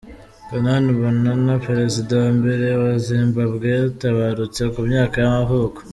Canaan Banana, perezida wa mbere wa Zimbabwe yaratabarutse ku myaka y’amavuko.